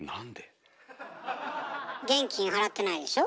現金払ってないでしょ？